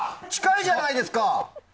近いじゃないですか！